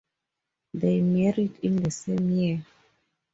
They married in the same year.